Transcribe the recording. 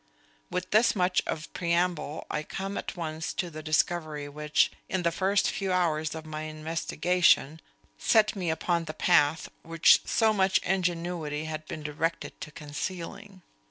With this much of preamble I come at once to the discovery which, in the first few hours of my investigation, set me upon the path which so much ingenuity had been directed to concealing.